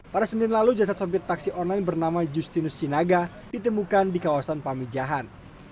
pada senin lalu jasad sopir taksi online bernama justinus sinaga ditemukan di kawasan pamijahan